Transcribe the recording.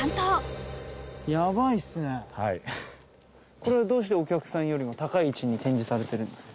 これどうしてお客さんよりも高い位置に展示されてるんですか？